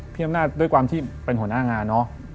พี่อำนาจด้วยความที่เป็นหัวหน้างานเนอะ